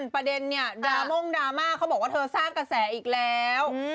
ประเด็นเนี่ยดราม่งดราม่าเขาบอกว่าเธอสร้างกระแสอีกแล้ว